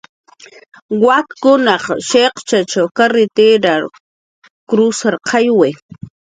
Wakkunaq shiq'shichw karritir krusarqayawi